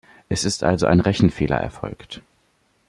Es ist also ein Rechenfehler erfolgt.